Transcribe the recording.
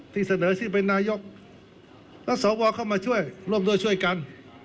เสนอชื่อเป็นนายกแล้วสวเข้ามาช่วยร่วมด้วยช่วยกัน